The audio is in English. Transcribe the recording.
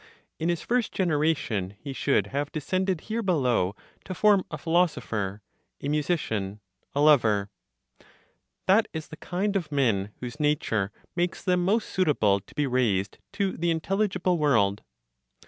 In his first generation he should have descended here below to form a philosopher, a musician, a lover. That is the kind of men whose nature makes them most suitable to be raised to the intelligible world.